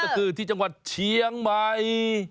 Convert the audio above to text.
ก็คือที่จังหวัดเชียงใหม่